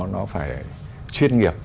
nó phải chuyên nghiệp